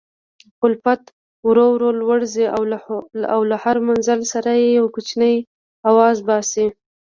لفټ ورو ورو لوړ ځي او له هر منزل سره یو کوچنی اواز باسي.